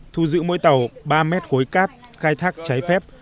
thu giữ mỗi tàu ba mét khối cát khai thác trái phép